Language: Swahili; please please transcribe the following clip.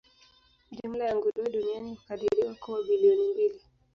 Jumla ya nguruwe duniani hukadiriwa kuwa bilioni mbili.